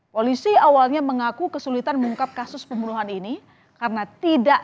polisi awalnya mengaku kesulitan mengungkap kasus pembunuhan ini karena tidak